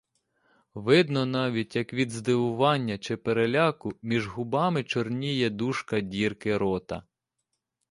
Видно навіть, як від здивування чи переляку між губами чорніє дужка дірки рота.